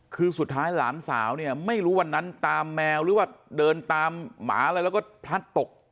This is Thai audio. คือสุดท้ายหลานสาวเนี่ยไม่รู้วันนั้นตามแมวหรือว่าเดินตามหมาอะไรแล้วก็พลัดตก